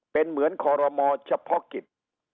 เป็นเหมือนคอรมอเฉพาะกิจ